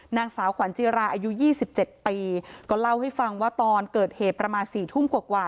นางสาวขวานจิราอายุยี่สิบเจ็ดปีก็เล่าให้ฟังว่าตอนเกิดเหตุประมาณสี่ทุ่มกว่า